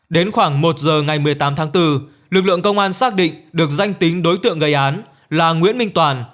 đến khoảng một giờ ngày một mươi tám tháng bốn lực lượng công an xác định được danh tính đối tượng gây án là nguyễn minh toàn